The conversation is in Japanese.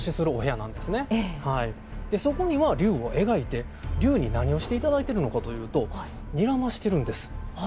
そこには龍を描いて龍に何をして頂いてるのかというとにらましているんです。